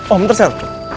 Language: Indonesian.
oh bentar sel